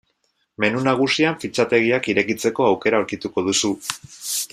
Menu nagusian fitxategiak irekitzeko aukera aurkituko duzu.